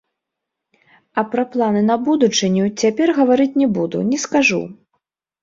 А пра планы на будучыню цяпер гаварыць не буду, не скажу.